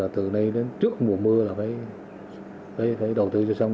từ nay đến trước mùa mưa là phải đầu tư cho sông